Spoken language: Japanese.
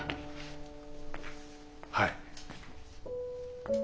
はい。